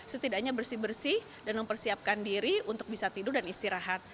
setidaknya bersih bersih dan mempersiapkan diri untuk bisa tidur dan istirahat